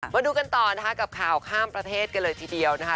มาดูกันต่อนะคะกับข่าวข้ามประเทศกันเลยทีเดียวนะคะ